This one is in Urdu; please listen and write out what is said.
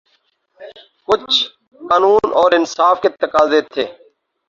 کچھ قانون اور انصاف کے تقاضے تھے۔